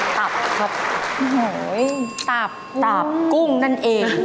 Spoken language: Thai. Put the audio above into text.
ตับครับตับตับกุ้งนั่นเอง